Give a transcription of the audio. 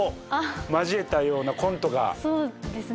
そうですね。